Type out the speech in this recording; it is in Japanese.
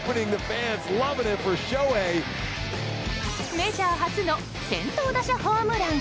メジャー初の先頭打者ホームラン。